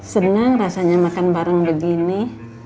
senang rasanya makan bareng begini